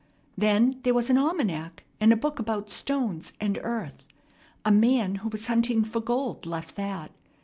Then there was an almanac, and a book about stones and earth. A man who was hunting for gold left that.